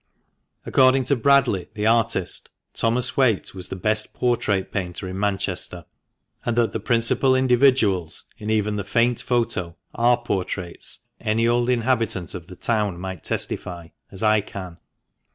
According to Bradley, the artist, Thomas Whaite was the best portrait painter in Manchester, and that the principal individuals in even the faint photo are portraits any old inhabitant of the town might testify, as I can.